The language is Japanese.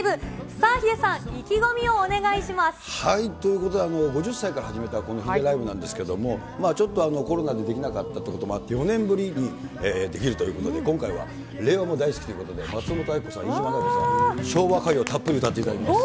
さあ、ヒデさん、意気込みをお願ということで、５０歳から始めたこのヒデライブなんですけれども、ちょっとコロナで出来なかったということもあって、４年ぶりにできるということで、今回は令和もダイスキ！ということで、松本明子さん、飯島直子さん、昭和歌謡たっぷり歌っていただきます。